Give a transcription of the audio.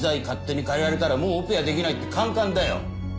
勝手に変えられたらもうオペはできないってカンカンだよ。